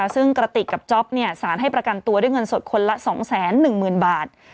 ซึ่งกระติกกับจ๊อปสารให้ประกันตัวด้วยเงินสดคนละ๒๑๐๐๐บาท